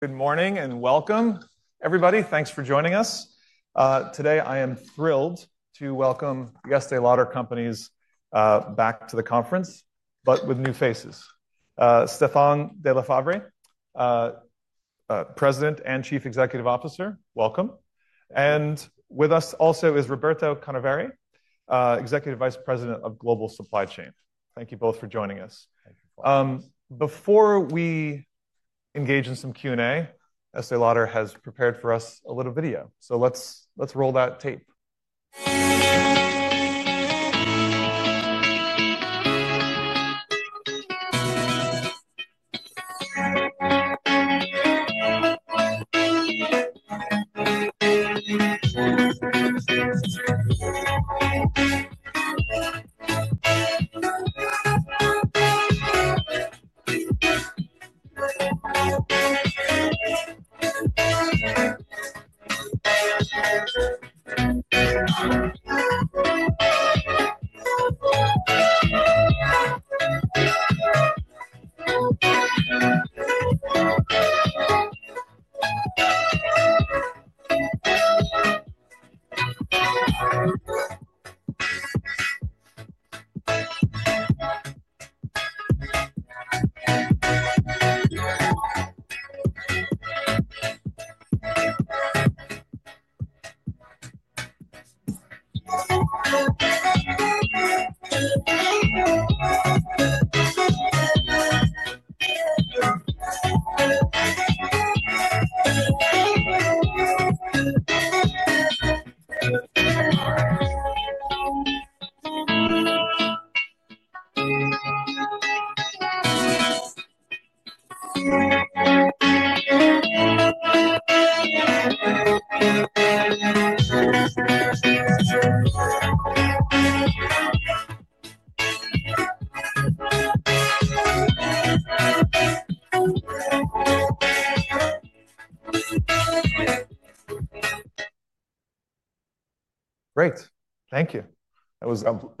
Good morning and welcome, everybody. Thanks for joining us. Today I am thrilled to welcome The Estée Lauder Companies back to the conference, but with new faces. Stéphane de La Faverie, President and Chief Executive Officer, welcome. With us also is Roberto Canevari, Executive Vice President of Global Supply Chain. Thank you both for joining us. Before we engage in some Q&A, Estée Lauder has prepared for us a little video. Let's roll that tape.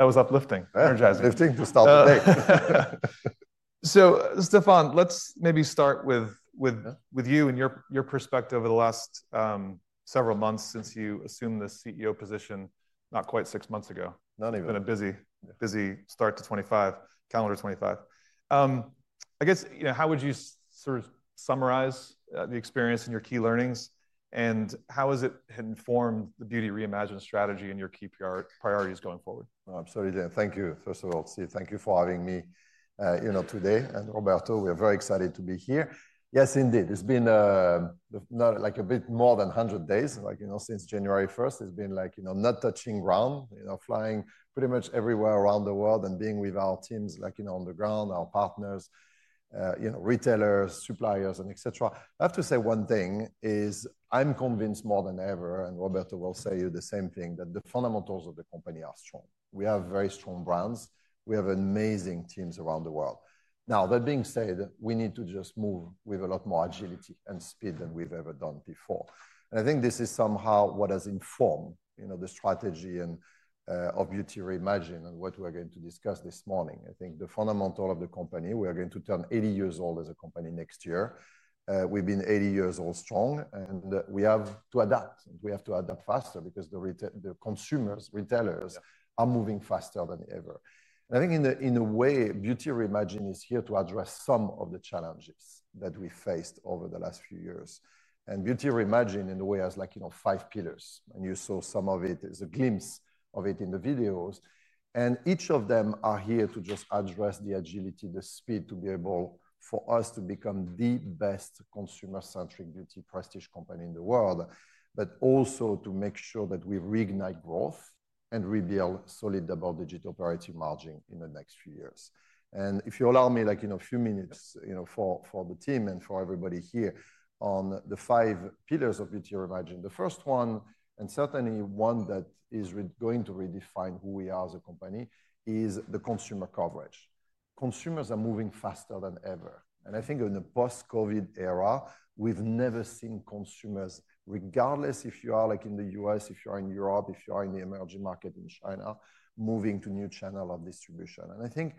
Great. Thank you. That was uplifting. Energizing. Energizing. Lifting to start the day. Stéphane, let's maybe start with you and your perspective over the last several months since you assumed the CEO position, not quite six months ago. Not even. It's been a busy start to 2025, calendar 2025. I guess, how would you sort of summarize the experience and your key learnings? How has it informed the Beauty Reimagined strategy and your key priorities going forward? I'm sorry to thank you. First of all, Steve, thank you for having me today. And Roberto, we're very excited to be here. Yes, indeed. It's been like a bit more than 100 days, like since January 1st, it's been like not touching ground, flying pretty much everywhere around the world and being with our teams on the ground, our partners, retailers, suppliers, et cetera. I have to say one thing is I'm convinced more than ever, and Roberto will say the same thing, that the fundamentals of the company are strong. We have very strong brands. We have amazing teams around the world. Now, that being said, we need to just move with a lot more agility and speed than we've ever done before. I think this is somehow what has informed the strategy of Beauty Reimagined and what we're going to discuss this morning. I think the fundamental of the company, we are going to turn 80 years old as a company next year. We've been 80 years old strong, and we have to adapt. We have to adapt faster because the consumers, retailers, are moving faster than ever. I think in a way, Beauty Reimagined is here to address some of the challenges that we faced over the last few years. Beauty Reimagined in a way has like five pillars. You saw some of it, a glimpse of it in the videos. Each of them are here to just address the agility, the speed to be able for us to become the best consumer-centric beauty prestige company in the world, but also to make sure that we reignite growth and rebuild solid double-digit operating margin in the next few years. If you allow me a few minutes for the team and for everybody here on the five pillars of Beauty Reimagined, the first one, and certainly one that is going to redefine who we are as a company, is the consumer coverage. Consumers are moving faster than ever. I think in the post-COVID era, we've never seen consumers, regardless if you are in the U.S., if you are in Europe, if you are in the emerging market in China, moving to new channels of distribution. I think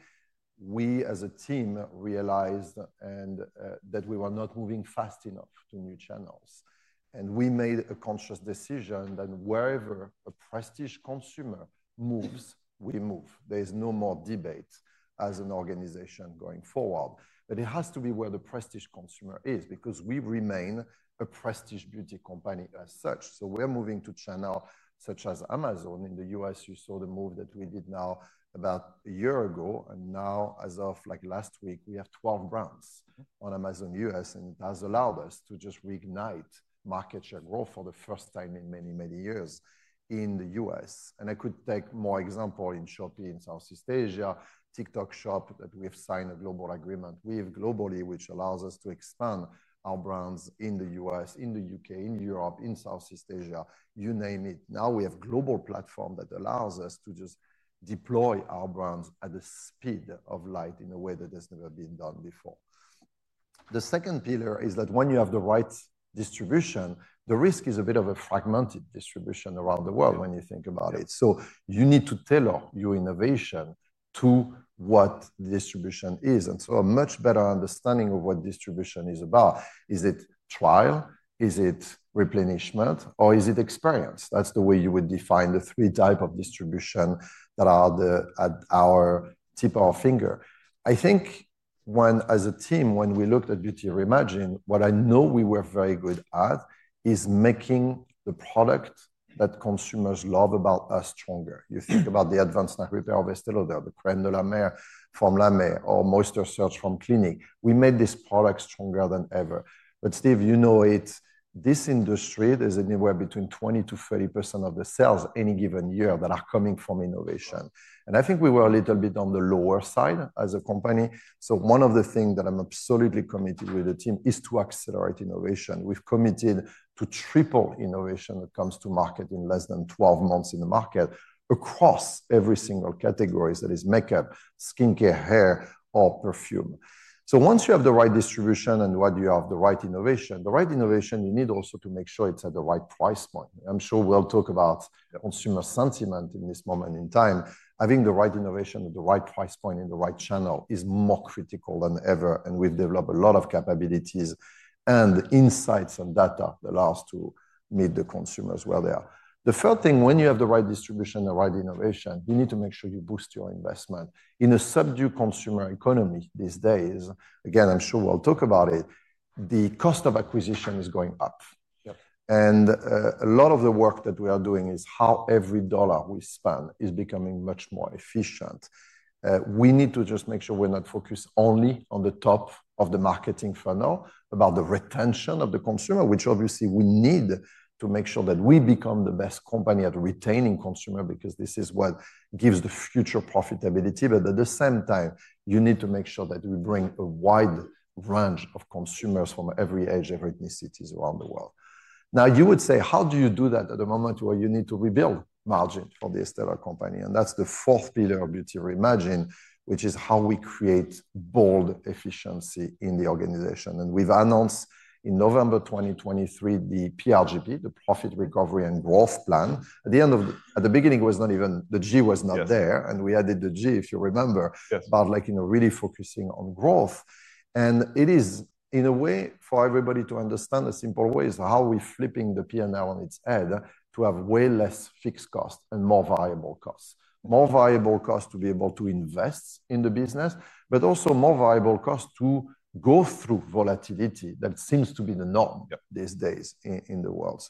we as a team realized that we were not moving fast enough to new channels. We made a conscious decision that wherever a prestige consumer moves, we move. There is no more debate as an organization going forward. It has to be where the prestige consumer is because we remain a prestige beauty company as such. We're moving to channels such as Amazon. In the U.S., you saw the move that we did now about a year ago. Now, as of last week, we have 12 brands on Amazon U.S. That has allowed us to just reignite market share growth for the first time in many, many years in the U.S. I could take more examples shortly in Southeast Asia, TikTok Shop that we've signed a global agreement with globally, which allows us to expand our brands in the U.S., in the U.K., in Europe, in Southeast Asia, you name it. Now we have a global platform that allows us to just deploy our brands at the speed of light in a way that has never been done before. The second pillar is that when you have the right distribution, the risk is a bit of a fragmented distribution around the world when you think about it. You need to tailor your innovation to what distribution is. A much better understanding of what distribution is about is it trial, is it replenishment, or is it experience? That is the way you would define the three types of distribution that are at our tip of our finger. I think as a team, when we looked at Beauty Reimagined, what I know we were very good at is making the product that consumers love about us stronger. You think about the Advanced Night Repair of Estée Lauder, the Crème de la Mer from La Mer, or Moisture Surge from Clinique. We made this product stronger than ever. Steve, you know it, this industry, there's anywhere between 20%-30% of the sales any given year that are coming from innovation. I think we were a little bit on the lower side as a company. One of the things that I'm absolutely committed with the team is to accelerate innovation. We've committed to triple innovation that comes to market in less than 12 months in the market across every single category that is makeup, skincare, hair, or perfume. Once you have the right distribution and you have the right innovation, you need also to make sure it's at the right price point. I'm sure we'll talk about consumer sentiment in this moment in time. Having the right innovation at the right price point in the right channel is more critical than ever. We have developed a lot of capabilities and insights and data that allows us to meet the consumers where they are. The third thing, when you have the right distribution and the right innovation, you need to make sure you boost your investment. In a subdued consumer economy these days, again, I'm sure we'll talk about it, the cost of acquisition is going up. A lot of the work that we are doing is how every dollar we spend is becoming much more efficient. We need to just make sure we're not focused only on the top of the marketing funnel about the retention of the consumer, which obviously we need to make sure that we become the best company at retaining consumers because this is what gives the future profitability. At the same time, you need to make sure that we bring a wide range of consumers from every age, every ethnicity around the world. Now, you would say, how do you do that at a moment where you need to rebuild margin for The Estée Lauder Companies? That is the fourth pillar of Beauty Reimagined, which is how we create bold efficiency in the organization. We announced in November 2023 the PRGP, the Profit Recovery and Growth Plan. At the beginning, the G was not there. We added the G, if you remember, about really focusing on growth. It is, in a way, for everybody to understand, a simple way is how we're flipping the P&L on its head to have way less fixed costs and more variable costs. More viable costs to be able to invest in the business, but also more viable costs to go through volatility that seems to be the norm these days in the world.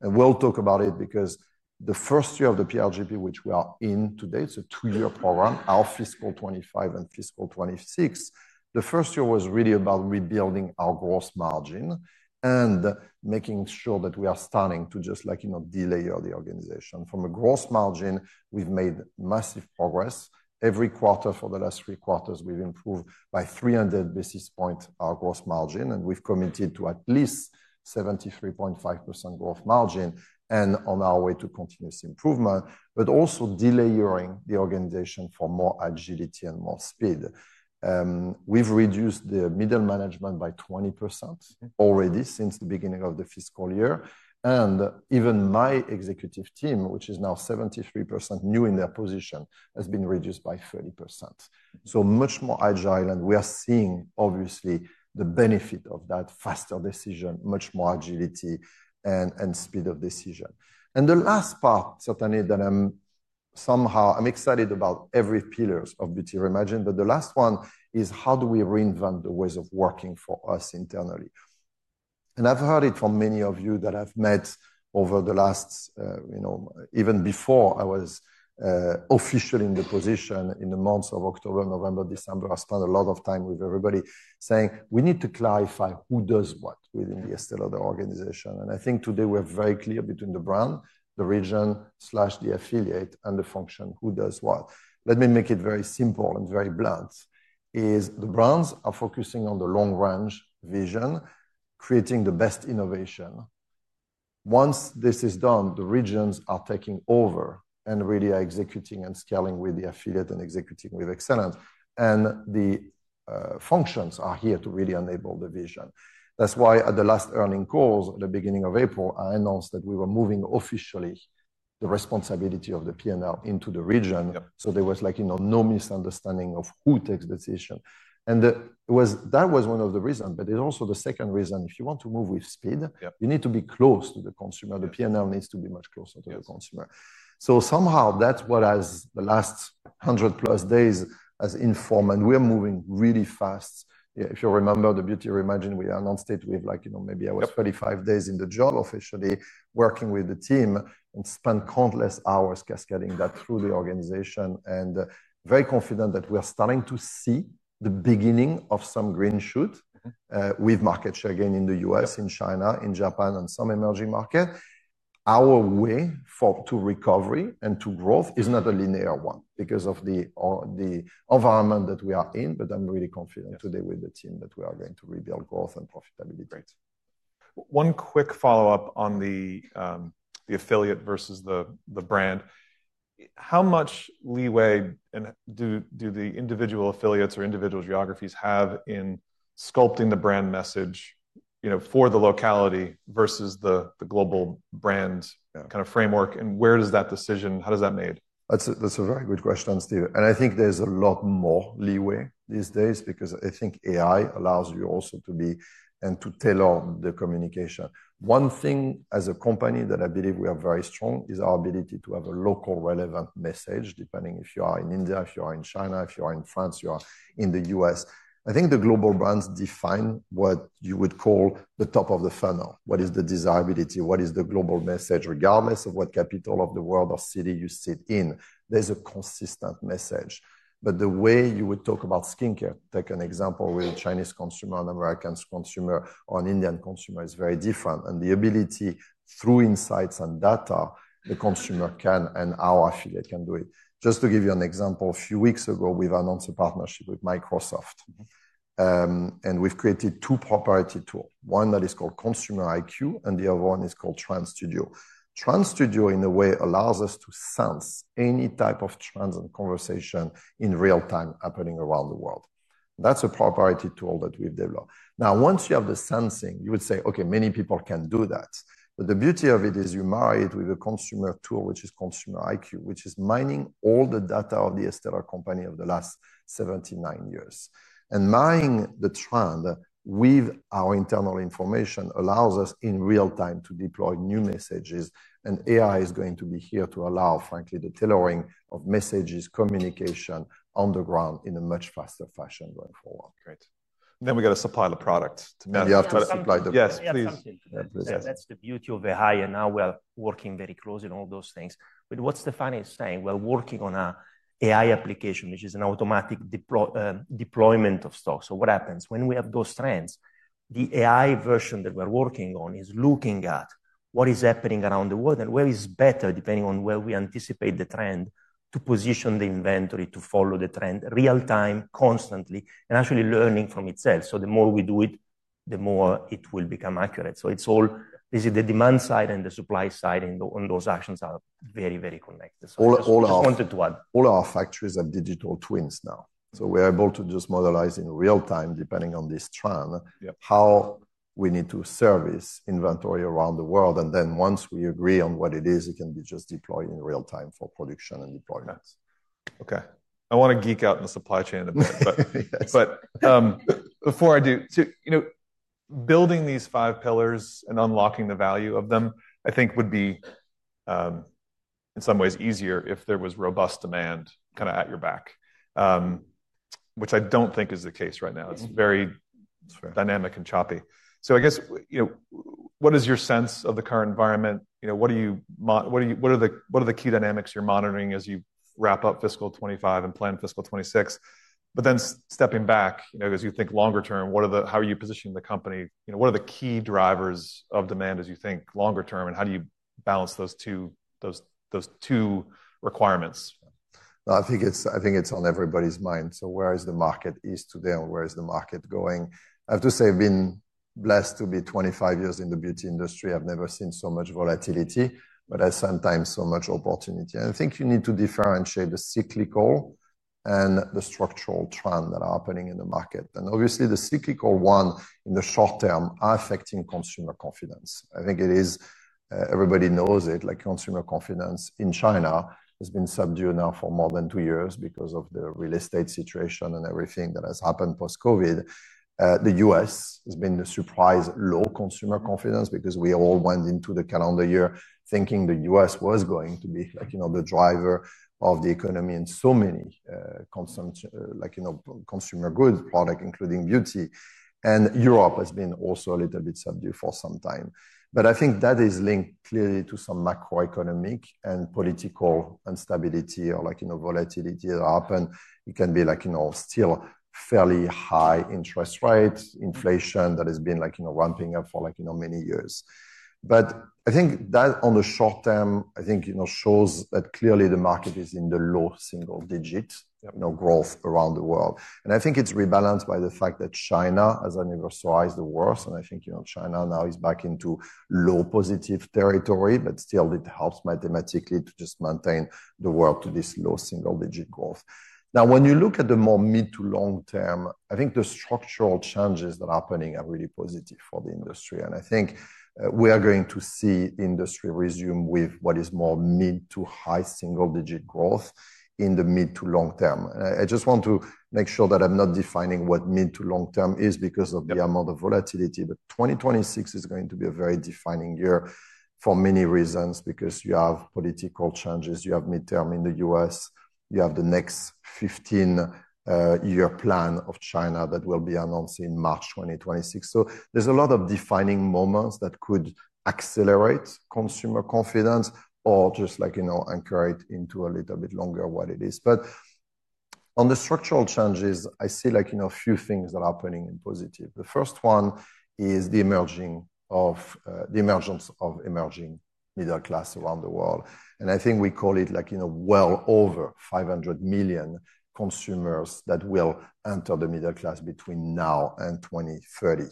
We will talk about it because the first year of the PRGP, which we are in today, it is a two-year program, our fiscal 2025 and fiscal 2026, the first year was really about rebuilding our gross margin and making sure that we are starting to just delay the organization. From a gross margin, we have made massive progress. Every quarter for the last three quarters, we have improved by 300 basis points our gross margin. We have committed to at least 73.5% gross margin and on our way to continuous improvement, but also delaying the organization for more agility and more speed. We have reduced the middle management by 20% already since the beginning of the fiscal year. Even my Executive Team, which is now 73% new in their position, has been reduced by 30%. Much more agile. We are seeing, obviously, the benefit of that faster decision, much more agility, and speed of decision. The last part, certainly, that I am somehow excited about every pillar of Beauty Reimagined, but the last one is how do we reinvent the ways of working for us internally? I have heard it from many of you that I have met over the last, even before I was officially in the position in the months of October, November, December, I spent a lot of time with everybody saying we need to clarify who does what within the Estée Lauder organization. I think today we are very clear between the brand, the region/the affiliate, and the function, who does what. Let me make it very simple and very blunt. The brands are focusing on the long-range vision, creating the best innovation. Once this is done, the regions are taking over and really executing and scaling with the affiliate and executing with excellence. The functions are here to really enable the vision. That is why at the last earnings calls at the beginning of April, I announced that we were moving officially the responsibility of the P&L into the region. There was like no misunderstanding of who takes decision. That was one of the reasons. There is also the second reason. If you want to move with speed, you need to be close to the consumer. The P&L needs to be much closer to the consumer. Somehow that is what the last 100+ days has informed. We are moving really fast. If you remember the Beauty Reimagined, we announced it with like maybe I was 35 days in the job officially working with the team and spent countless hours cascading that through the organization. I am very confident that we're starting to see the beginning of some green shoot with market share gain in the U.S., in China, in Japan, and some emerging markets. Our way to recovery and to growth is not a linear one because of the environment that we are in. I am really confident today with the team that we are going to rebuild growth and profitability. Great. One quick follow-up on the affiliate versus the brand. How much leeway do the individual affiliates or individual geographies have in sculpting the brand message for the locality versus the global brand kind of framework? Where does that decision, how does that make? That's a very good question, Steve. I think there's a lot more leeway these days because I think AI allows you also to be and to tailor the communication. One thing as a company that I believe we are very strong is our ability to have a local relevant message, depending if you are in India, if you are in China, if you are in France, you are in the U.S. I think the global brands define what you would call the top of the funnel. What is the desirability? What is the global message? Regardless of what capital of the world or city you sit in, there's a consistent message. The way you would talk about skincare, take an example with a Chinese consumer and an American consumer or an Indian consumer is very different. The ability through insights and data, the consumer can and our affiliate can do it. Just to give you an example, a few weeks ago, we have announced a partnership with Microsoft. We have created two proprietary tools. One that is called ConsumerIQ, and the other one is called Trend Studio. Trend Studio, in a way, allows us to sense any type of trends and conversation in real time happening around the world. That is a proprietary tool that we have developed. Now, once you have the sensing, you would say, okay, many people can do that. The beauty of it is you marry it with a consumer tool, which is Consumer Q, which is mining all the data of The Estée Lauder Companies of the last 79 years. Mining the trend with our internal information allows us in real time to deploy new messages. AI is going to be here to allow, frankly, the tailoring of messages, communication on the ground in a much faster fashion going forward. Great. We have to supply the product to manufacture. You have to supply the product. Yes, please. That's the beauty of AI. Now we're working very closely on all those things. What Stéphane is saying, we're working on an AI application, which is an automatic deployment of stocks. What happens is, when we have those trends, the AI version that we're working on is looking at what is happening around the world and where is better, depending on where we anticipate the trend, to position the inventory to follow the trend real time, constantly, and actually learning from itself. The more we do it, the more it will become accurate. It's all basically the demand side and the supply side, and those actions are very, very connected. All ours. If you wanted to add. All our factories are digital twins now. We are able to just modelize in real time, depending on this trend, how we need to service inventory around the world. Once we agree on what it is, it can be just deployed in real time for production and deployment. Okay. I want to geek out in the supply chain a bit. Before I do, building these five pillars and unlocking the value of them, I think would be in some ways easier if there was robust demand kind of at your back, which I do not think is the case right now. It is very dynamic and choppy. I guess, what is your sense of the current environment? What are the key dynamics you are monitoring as you wrap up fiscal 2025 and plan fiscal 2026? Then stepping back, as you think longer term, how are you positioning the company? What are the key drivers of demand as you think longer term? How do you balance those two requirements? I think it's on everybody's mind. Where is the market east today and where is the market going? I have to say I've been blessed to be 25 years in the beauty industry. I've never seen so much volatility, but I sometimes saw much opportunity. I think you need to differentiate the cyclical and the structural trend that are happening in the market. Obviously, the cyclical one in the short term are affecting consumer confidence. I think it is, everybody knows it, like consumer confidence in China has been subdued now for more than two years because of the real estate situation and everything that has happened post-COVID. The U.S. has been the surprise low consumer confidence because we all went into the calendar year thinking the U.S. was going to be the driver of the economy in so many consumer goods products, including beauty. Europe has been also a little bit subdued for some time. I think that is linked clearly to some macroeconomic and political instability or volatility that happen. It can be still fairly high interest rates, inflation that has been ramping up for many years. I think that on the short term, I think shows that clearly the market is in the low single digit growth around the world. I think it is rebalanced by the fact that China has universalized the worst. I think China now is back into low positive territory, but still it helps mathematically to just maintain the world to this low single digit growth. Now, when you look at the more mid to long term, I think the structural changes that are happening are really positive for the industry. I think we are going to see industry resume with what is more mid to high single digit growth in the mid to long term. I just want to make sure that I'm not defining what mid to long term is because of the amount of volatility. 2026 is going to be a very defining year for many reasons because you have political changes. You have midterm in the U.S. You have the next 15-year plan of China that will be announced in March 2026. There are a lot of defining moments that could accelerate consumer confidence or just anchor it into a little bit longer what it is. On the structural changes, I see a few things that are happening in positive. The first one is the emergence of emerging middle class around the world. I think we call it well over 500 million consumers that will enter the middle class between now and 2030.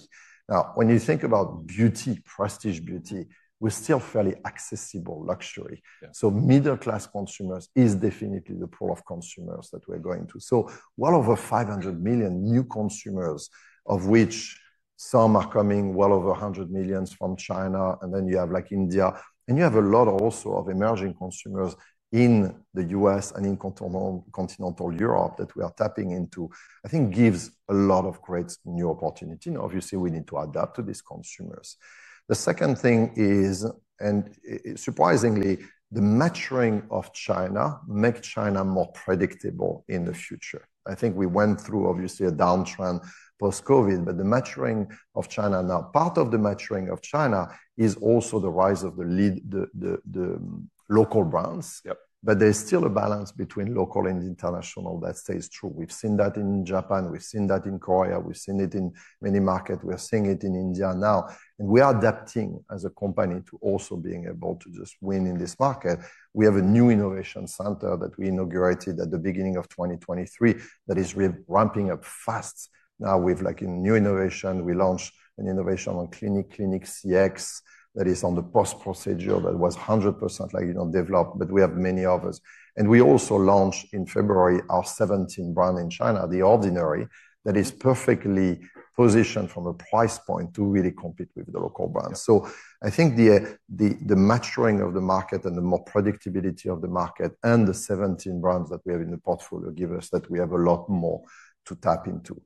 When you think about beauty, prestige beauty, we're still fairly accessible luxury. Middle class consumers is definitely the pool of consumers that we're going to. Well over 500 million new consumers, of which some are coming well over 100 million from China. Then you have India. You have a lot also of emerging consumers in the U.S. and in continental Europe that we are tapping into, I think gives a lot of great new opportunity. Obviously, we need to adapt to these consumers. The second thing is, and surprisingly, the maturing of China makes China more predictable in the future. I think we went through, obviously, a downtrend post-COVID, but the maturing of China now, part of the maturing of China is also the rise of the local brands. There is still a balance between local and international that stays true. We've seen that in Japan. We've seen that in Korea. We've seen it in many markets. We're seeing it in India now. We are adapting as a company to also being able to just win in this market. We have a new innovation center that we inaugurated at the beginning of 2023 that is ramping up fast now with new innovation. We launched an innovation on Clinique Clinique CX that is on the post-procedure that was 100% developed, but we have many others. We also launched in February our 17th brand in China, The Ordinary, that is perfectly positioned from a price point to really compete with the local brands. I think the maturing of the market and the more predictability of the market and the 17 brands that we have in the portfolio give us that we have a lot more to tap into.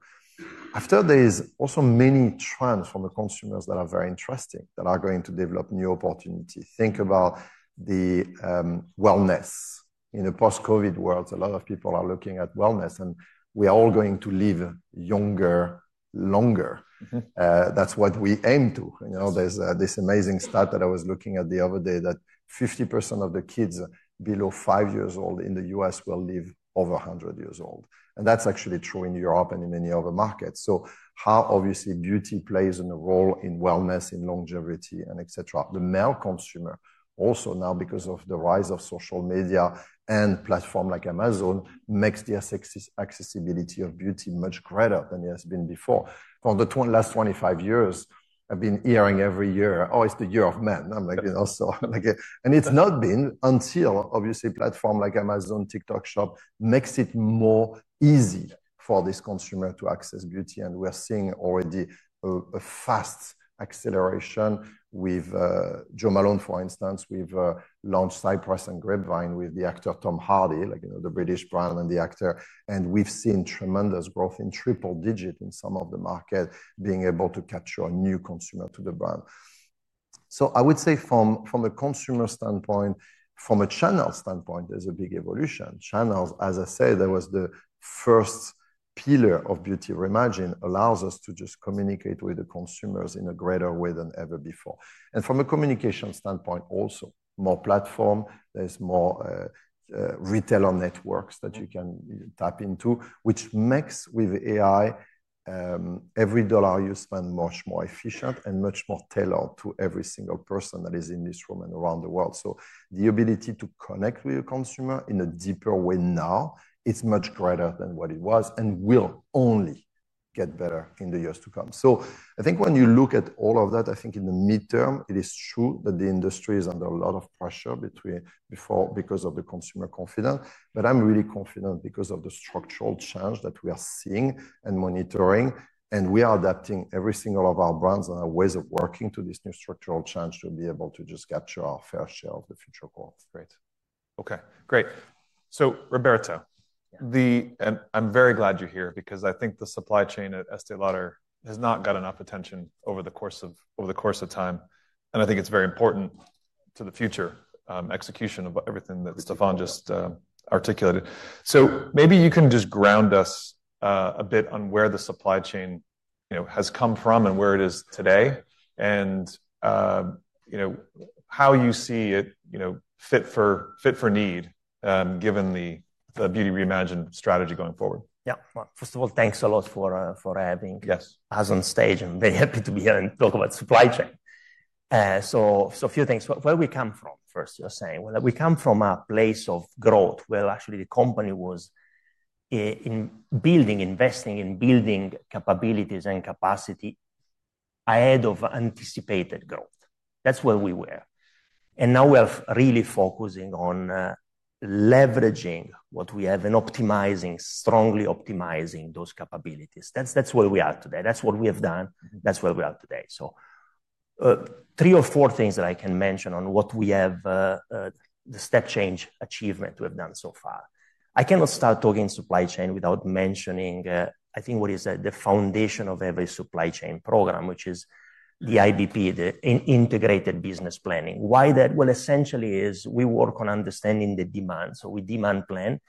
After this, also many trends from the consumers that are very interesting that are going to develop new opportunity. Think about the wellness. In the post-COVID world, a lot of people are looking at wellness. We are all going to live younger longer. That is what we aim to. There is this amazing stat that I was looking at the other day that 50% of the kids below five years old in the U.S. will live over 100 years old. That's actually true in Europe and in many other markets. How obviously beauty plays a role in wellness, in longevity, et cetera. The male consumer also now, because of the rise of social media and platforms like Amazon, makes the accessibility of beauty much greater than it has been before. For the last 25 years, I've been hearing every year, oh, it's the year of men. It's not been until, obviously, platforms like Amazon, TikTok Shop makes it more easy for this consumer to access beauty. We're seeing already a fast acceleration with Jo Malone, for instance, we've launched Cypress & Grapevine with the actor Tom Hardy, the British brand and the actor. We've seen tremendous growth in triple digit in some of the markets, being able to capture a new consumer to the brand. I would say from a consumer standpoint, from a channel standpoint, there's a big evolution. Channels, as I said, that was the first pillar of Beauty Reimagined, allows us to just communicate with the consumers in a greater way than ever before. From a communication standpoint, also more platform. There's more retailer networks that you can tap into, which makes with AI, every dollar you spend much more efficient and much more tailored to every single person that is in this room and around the world. The ability to connect with a consumer in a deeper way now, it's much greater than what it was and will only get better in the years to come. I think when you look at all of that, I think in the midterm, it is true that the industry is under a lot of pressure because of the consumer confidence. I'm really confident because of the structural change that we are seeing and monitoring. We are adapting every single one of our brands and our ways of working to this new structural change to be able to just capture our fair share of the future growth. Great. Okay, great. Roberto, I'm very glad you're here because I think the supply chain at Estée Lauder has not got enough attention over the course of time. I think it's very important to the future execution of everything that Stéphane just articulated. Maybe you can just ground us a bit on where the supply chain has come from and where it is today and how you see it fit for need given the Beauty Reimagined strategy going forward. Yeah. First of all, thanks a lot for having us on stage. I'm very happy to be here and talk about supply chain. A few things. Where we come from first, you're saying. We come from a place of growth where actually the company was in building, investing in building capabilities and capacity ahead of anticipated growth. That's where we were. Now we are really focusing on leveraging what we have and optimizing, strongly optimizing those capabilities. That's where we are today. That's what we have done. That's where we are today. Three or four things that I can mention on what we have, the step change achievement we have done so far. I cannot start talking supply chain without mentioning, I think, what is the foundation of every supply chain program, which is the IBP, the Integrated Business Planning. Why that? Essentially, we work on understanding the demand. We demand plan.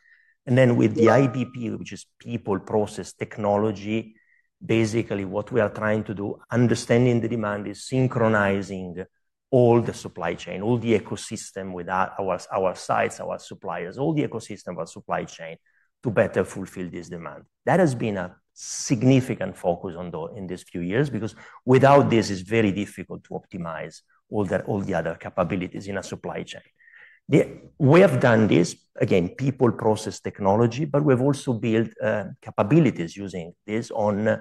With the IBP, which is People, Process, Technology, basically what we are trying to do, understanding the demand is synchronizing all the supply chain, all the ecosystem with our sites, our suppliers, all the ecosystem of our supply chain to better fulfill this demand. That has been a significant focus in these few years because without this, it's very difficult to optimize all the other capabilities in a supply chain. We have done this, again, People, Process, Technology, but we have also built capabilities using this on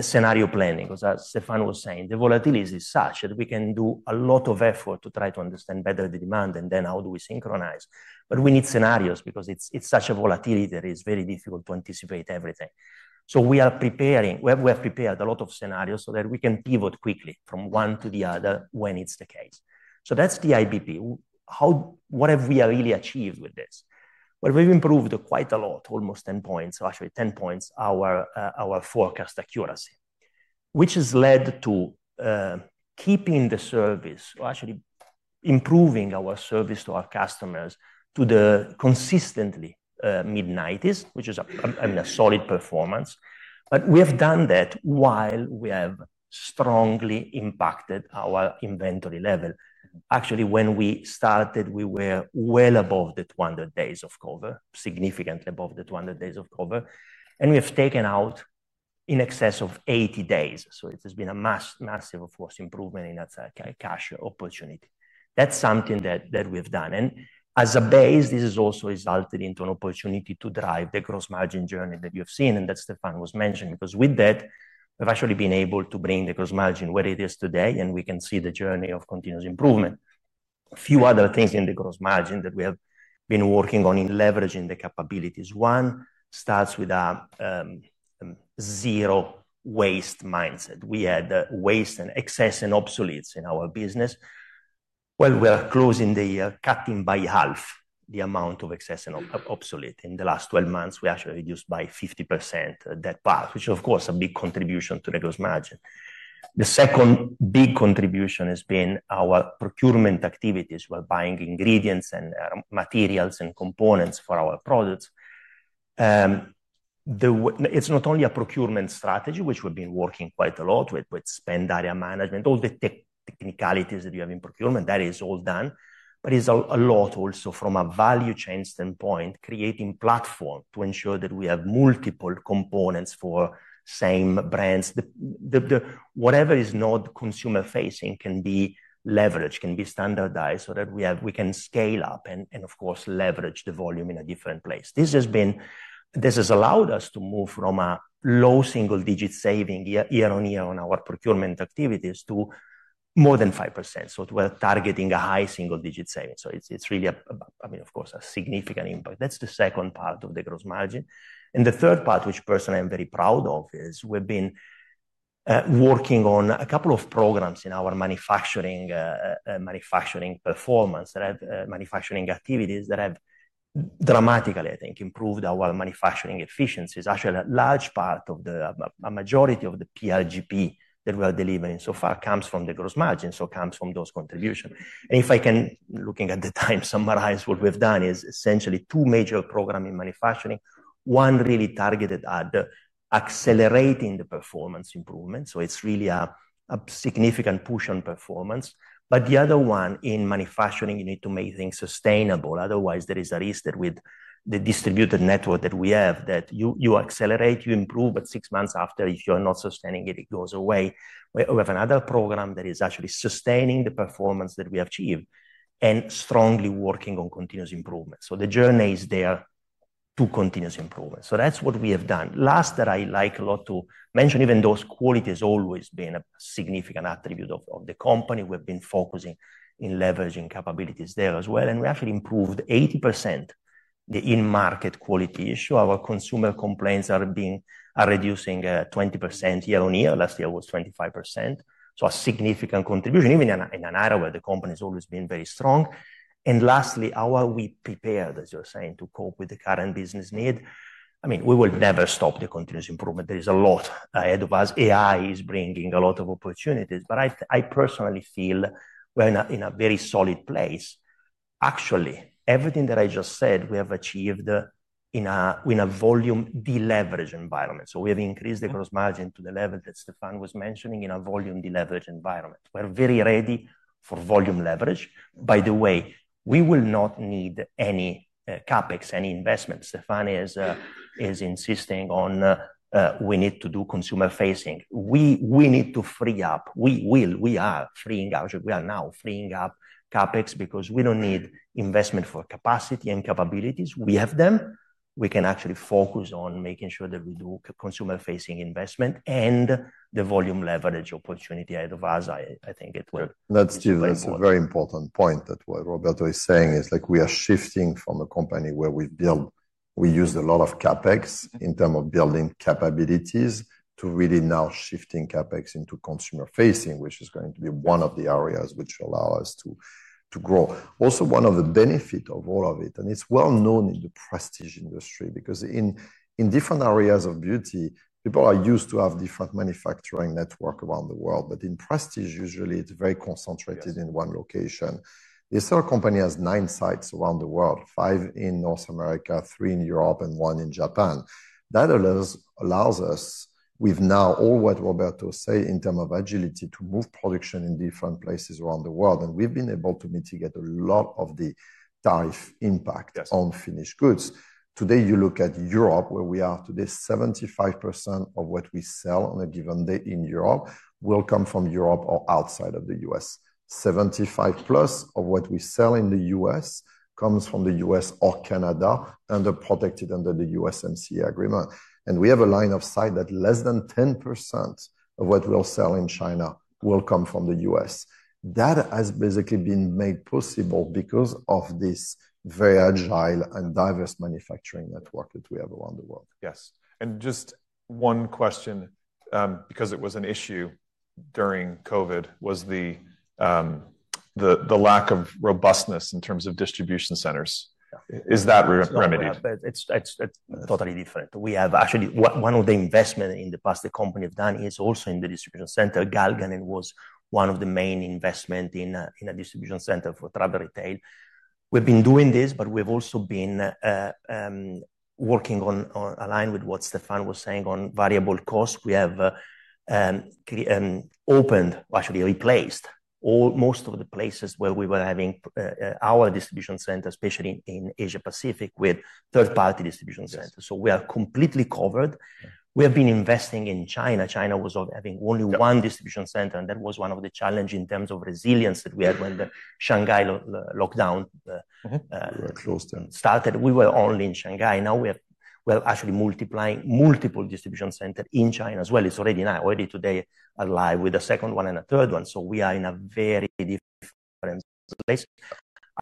scenario planning. As Stéphane was saying, the volatility is such that we can do a lot of effort to try to understand better the demand and then how do we synchronize. We need scenarios because it's such a volatility that it's very difficult to anticipate everything. We have prepared a lot of scenarios so that we can pivot quickly from one to the other when it's the case. That's the IBP. What have we really achieved with this? We've improved quite a lot, almost 10 points, actually 10 points, our forecast accuracy, which has led to keeping the service or actually improving our service to our customers to the consistently mid-90s, which is a solid performance. We have done that while we have strongly impacted our inventory level. Actually, when we started, we were well above the 200 days of COVID, significantly above the 200 days of COVID. We have taken out in excess of 80 days. It has been a massive, of course, improvement in that cash opportunity. That's something that we have done. As a base, this has also resulted in an opportunity to drive the gross margin journey that you have seen. That is, as Stéphane was mentioning, because with that, we have actually been able to bring the gross margin where it is today. We can see the journey of continuous improvement. A few other things in the gross margin that we have been working on in leveraging the capabilities. One starts with a zero waste mindset. We had waste and excess and obsoletes in our business. When we are closing the year, cutting by half the amount of excess and obsolete. In the last 12 months, we actually reduced by 50% that part, which is, of course, a big contribution to the gross margin. The second big contribution has been our procurement activities while buying ingredients and materials and components for our products. It's not only a procurement strategy, which we've been working quite a lot with, with spend area management, all the technicalities that you have in procurement, that is all done. It's a lot also from a value chain standpoint, creating platform to ensure that we have multiple components for same brands. Whatever is not consumer-facing can be leveraged, can be standardized so that we can scale up and, of course, leverage the volume in a different place. This has allowed us to move from a low single-digit saving year on year on our procurement activities to more than 5%. We're targeting a high single-digit saving. It's really, I mean, of course, a significant impact. That's the second part of the gross margin. The third part, which personally I'm very proud of, is we've been working on a couple of programs in our manufacturing performance that have manufacturing activities that have dramatically, I think, improved our manufacturing efficiencies. Actually, a large part of the majority of the PRGP that we are delivering so far comes from the gross margin, so it comes from those contributions. If I can, looking at the time, summarize what we've done, it is essentially two major programs in manufacturing. One really targeted at accelerating the performance improvement. It is really a significant push on performance. The other one in manufacturing, you need to make things sustainable. Otherwise, there is a risk that with the distributed network that we have, you accelerate, you improve, but six months after, if you're not sustaining it, it goes away. We have another program that is actually sustaining the performance that we achieve and strongly working on continuous improvement. The journey is there to continuous improvement. That is what we have done. Last that I like a lot to mention, even though quality has always been a significant attribute of the company, we have been focusing in leveraging capabilities there as well. We actually improved 80% in market quality issue. Our consumer complaints are reducing 20% year on year. Last year was 25%. A significant contribution, even in an era where the company has always been very strong. Lastly, how are we prepared, as you are saying, to cope with the current business need? I mean, we will never stop the continuous improvement. There is a lot ahead of us. AI is bringing a lot of opportunities. I personally feel we are in a very solid place. Actually, everything that I just said, we have achieved in a volume deleveraged environment. We have increased the gross margin to the level that Stéphane was mentioning in a volume deleveraged environment. We are very ready for volume leverage. By the way, we will not need any CapEx, any investment. Stéphane is insisting on we need to do consumer-facing. We need to free up. We will, we are freeing up. We are now freeing up CapEx because we do not need investment for capacity and capabilities. We have them. We can actually focus on making sure that we do consumer-facing investment and the volume leverage opportunity ahead of us. I think it will. That's a very important point that what Roberto is saying is like we are shifting from a company where we build, we used a lot of CapEx in terms of building capabilities to really now shifting CapEx into consumer-facing, which is going to be one of the areas which will allow us to grow. Also, one of the benefits of all of it, and it's well known in the prestige industry because in different areas of beauty, people are used to having different manufacturing networks around the world. In prestige, usually it's very concentrated in one location. This other company has nine sites around the world, five in North America, three in Europe, and one in Japan. That allows us, with now all what Roberto said in terms of agility, to move production in different places around the world. We have been able to mitigate a lot of the tariff impact on finished goods. Today, you look at Europe, where we are today, 75% of what we sell on a given day in Europe will come from Europe or outside of the U.S. 75%+ of what we sell in the U.S. comes from the U.S. or Canada protected under the USMCA agreement. We have a line of sight that less than 10% of what we will sell in China will come from the U.S. That has basically been made possible because of this very agile and diverse manufacturing network that we have around the world. Yes. And just one question, because it was an issue during COVID, was the lack of robustness in terms of distribution centers. Is that remedied? It's totally different. We have actually one of the investments in the past the company has done is also in the distribution center. Galgenen was one of the main investments in a distribution center for travel retail. We've been doing this, but we've also been working on, aligned with what Stéphane was saying, on variable costs. We have opened, actually replaced most of the places where we were having our distribution center, especially in Asia-Pacific, with third-party distribution centers. We are completely covered. We have been investing in China. China was having only one distribution center. That was one of the challenges in terms of resilience that we had when the Shanghai lockdown started. We were only in Shanghai. Now we are actually multiplying multiple distribution centers in China as well. It's already now, already today, alive with the second one and the third one. We are in a very different place.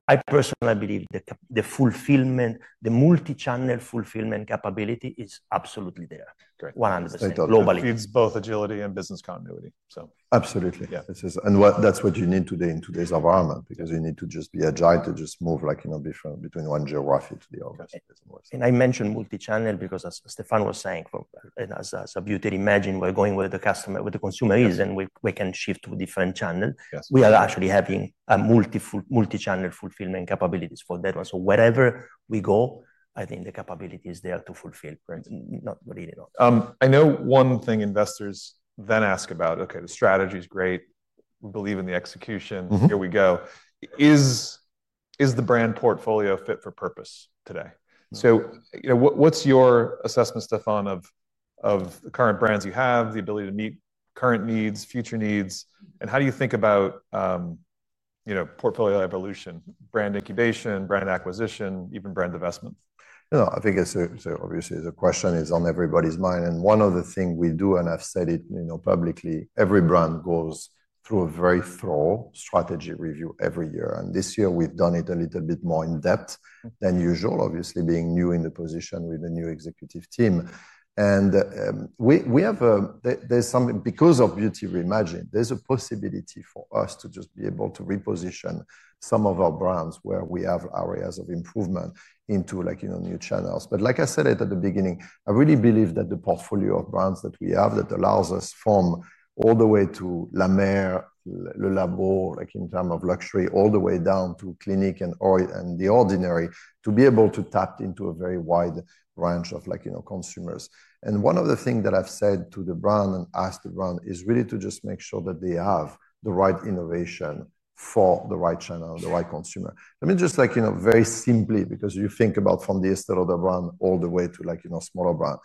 I personally believe the fulfillment, the multi-channel fulfillment capability is absolutely there, 100% globally. It feeds both agility and business continuity. Absolutely. That is what you need today in today's environment because you need to just be agile to just move between one geography to the other. I mentioned multi-channel because as Stéphane was saying, as a beauty imagine, we're going where the customer, where the consumer is, and we can shift to different channels. We are actually having multi-channel fulfillment capabilities for that one. Wherever we go, I think the capability is there to fulfill. Not really. I know one thing investors then ask about, okay, the strategy is great. We believe in the execution. Here we go. Is the brand portfolio fit for purpose today? So what's your assessment, Stéphane, of the current brands you have, the ability to meet current needs, future needs? And how do you think about portfolio evolution, brand incubation, brand acquisition, even brand investment? No, I think it's obviously the question is on everybody's mind. One of the things we do, and I've said it publicly, every brand goes through a very thorough strategy review every year. This year, we've done it a little bit more in depth than usual, obviously being new in the position with a new executive team. There's something because of Beauty Reimagined, there's a possibility for us to just be able to reposition some of our brands where we have areas of improvement into new channels. Like I said at the beginning, I really believe that the portfolio of brands that we have allows us from all the way to La Mer, Le Labo, like in terms of luxury, all the way down to Clinique and The Ordinary to be able to tap into a very wide range of consumers. One of the things that I've said to the brand and asked the brand is really to just make sure that they have the right innovation for the right channel, the right consumer. Let me just very simply, because you think about from the Estée Lauder brand all the way to smaller brand.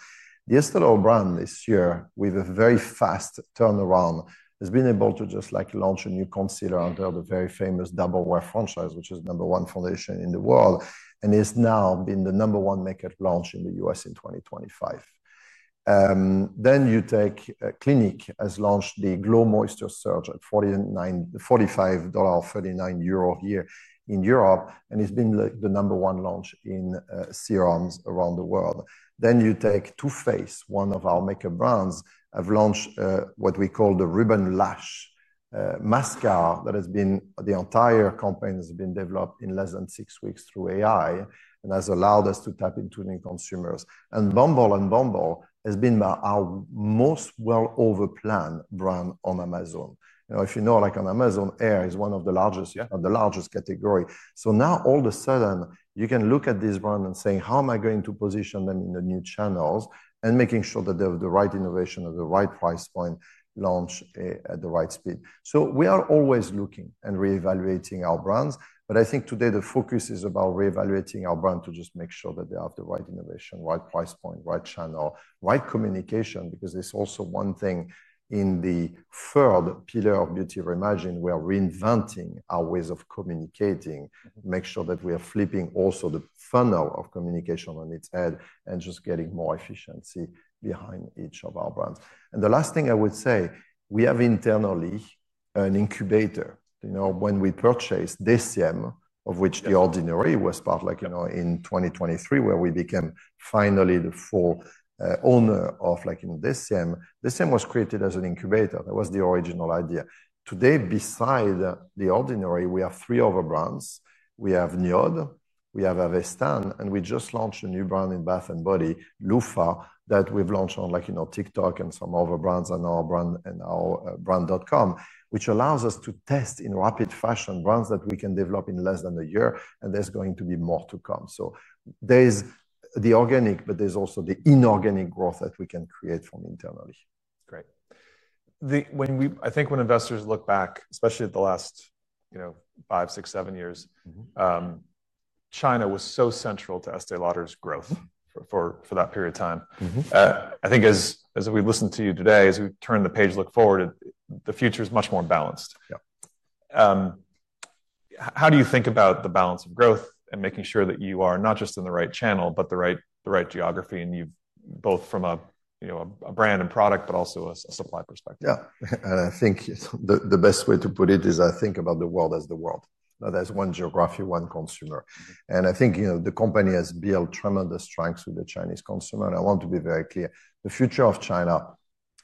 The Estée Lauder brand this year with a very fast turnaround has been able to just launch a new concealer under the very famous Double Wear franchise, which is number one foundation in the world. It's now been the number one makeup launch in the U.S. in 2025. You take Clinique has launched the Glow Moisture Surge at $45 or $39 a year in Europe. It's been the number one launch in serums around the world. You take Too Faced, one of our makeup brands, have launched what we call the Ribbon Lash Mascara that has been, the entire company has been developed in less than six weeks through AI and has allowed us to tap into new consumers. And Bumble and bumble has been our most well-over planned brand on Amazon. Now, if you know, like on Amazon, hair is one of the largest categories. So now all of a sudden, you can look at this brand and say, how am I going to position them in the new channels and making sure that they have the right innovation at the right price point, launch at the right speed. We are always looking and reevaluating our brands. I think today the focus is about reevaluating our brand to just make sure that they have the right innovation, right price point, right channel, right communication, because it's also one thing in the third pillar of Beauty Reimagined where we're inventing our ways of communicating, make sure that we are flipping also the funnel of communication on its head and just getting more efficiency behind each of our brands. The last thing I would say, we have internally an incubator. When we purchased DECIEM, of which The Ordinary was part in 2023, where we became finally the full owner of DECIEM. DECIEM was created as an incubator. That was the original idea. Today, beside The Ordinary, we have three other brands. We have NIOD, we have Avestan, and we just launched a new brand in bath and body, Loofah, that we've launched on TikTok and some other brands and our brand.com, which allows us to test in rapid fashion brands that we can develop in less than a year. There is going to be more to come. There is the organic, but there is also the inorganic growth that we can create from internally. Great. I think when investors look back, especially at the last five, six, seven years, China was so central to Estée Lauder's growth for that period of time. I think as we listen to you today, as we turn the page, look forward, the future is much more balanced. How do you think about the balance of growth and making sure that you are not just in the right channel, but the right geography and you have both from a brand and product, but also a supply perspective? Yeah. I think the best way to put it is I think about the world as the world, not as one geography, one consumer. I think the company has built tremendous strengths with the Chinese consumer. I want to be very clear, the future of China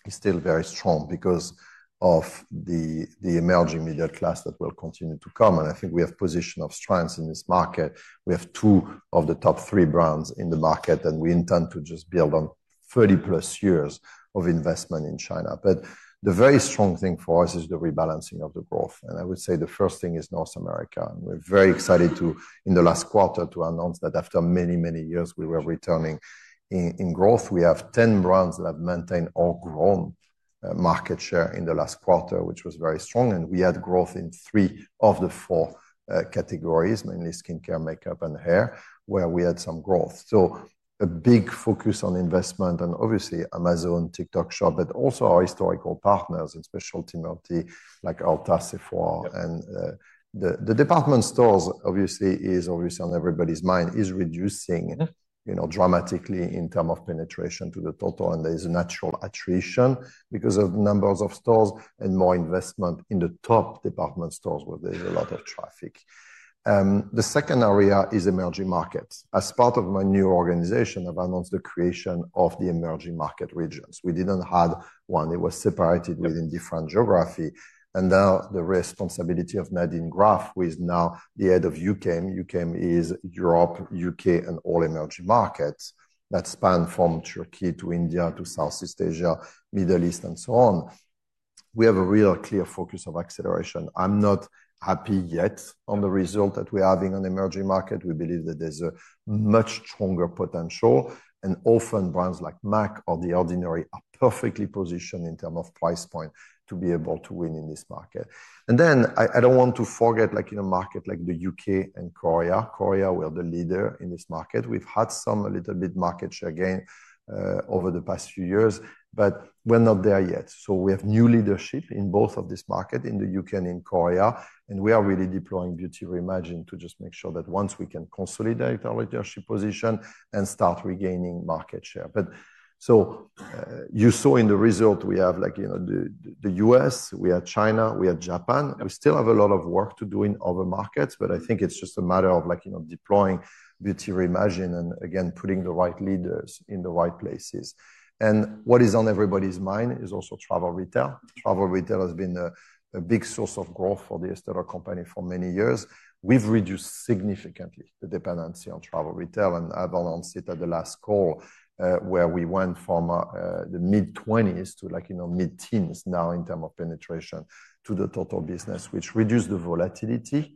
is still very strong because of the emerging middle class that will continue to come. I think we have positioned our strengths in this market. We have two of the top three brands in the market, and we intend to just build on 30+ years of investment in China. The very strong thing for us is the rebalancing of the growth. I would say the first thing is North America. We are very excited in the last quarter to announce that after many, many years, we were returning in growth. We have 10 brands that have maintained or grown market share in the last quarter, which was very strong. We had growth in three of the four categories, mainly skincare, makeup, and hair, where we had some growth. A big focus on investment and obviously Amazon, TikTok Shop, but also our historical partners in specialty multi like Ulta Beauty, Sephora, and the department stores. Obviously, what is on everybody's mind is reducing dramatically in terms of penetration to the total. There is a natural attrition because of numbers of stores and more investment in the top department stores where there is a lot of traffic. The second area is emerging markets. As part of my new organization, I have announced the creation of the emerging market regions. We did not have one. It was separated within different geography. Now the responsibility of Nadine Graf, who is now the Head of EUKEM. EUKEM is Europe, U.K., and all emerging markets that span from Turkey to India to Southeast Asia, Middle East, and so on. We have a real clear focus of acceleration. I'm not happy yet on the result that we're having on emerging market. We believe that there's a much stronger potential. Often brands like M.A.C or The Ordinary are perfectly positioned in terms of price point to be able to win in this market. I don't want to forget markets like the U.K. and Korea. Korea, we're the leader in this market. We've had some a little bit market share gain over the past few years, but we're not there yet. We have new leadership in both of these markets, in the U.K. and in Korea. We are really deploying Beauty Reimagined to just make sure that once we can consolidate our leadership position and start regaining market share. You saw in the result, we have the U.S., we have China, we have Japan. We still have a lot of work to do in other markets, but I think it's just a matter of deploying Beauty Reimagined and again, putting the right leaders in the right places. What is on everybody's mind is also travel retail. Travel retail has been a big source of growth for The Estée Lauder Companies for many years. We have reduced significantly the dependency on travel retail and I have announced it at the last call where we went from the mid-20s to mid-teens now in terms of penetration to the total business, which reduced the volatility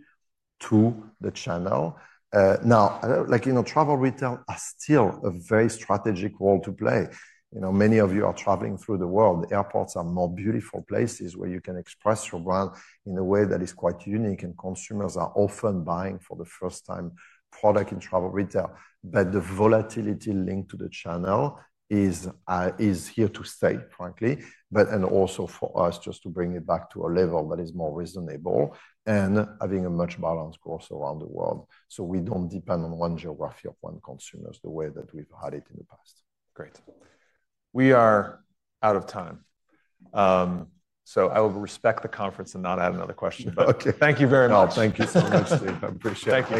to the channel. Now, travel retail has still a very strategic role to play. Many of you are traveling through the world. Airports are more beautiful places where you can express your brand in a way that is quite unique. Consumers are often buying for the first time product in travel retail. The volatility linked to the channel is here to stay, frankly, but also for us just to bring it back to a level that is more reasonable and having a much balanced growth around the world. We do not depend on one geography or one consumer the way that we've had it in the past. Great. We are out of time. So I will respect the conference and not add another question. Thank you very much. Thank you so much, Steve. I appreciate it.